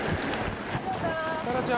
沙羅ちゃん。